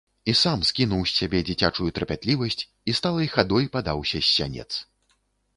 І сам скінуў з сябе дзіцячую трапятлівасць і сталай хадой падаўся з сянец.